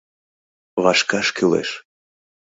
Вашкаш кӱлеш!»